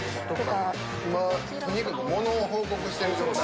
今とにかく物を報告してる状態。